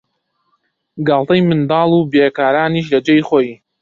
گاڵتەی منداڵ و بیکارانیش لە جێی خۆی